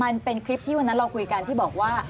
มันเป็นคลิปที่วันนั้นเราคุยกันที่บอกว่า